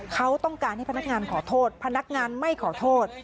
เขาต้องการให้พนักงานขอโทษพนักงานไม่ขอโทษ